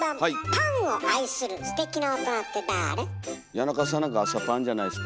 谷中さんなんか朝パンじゃないですか？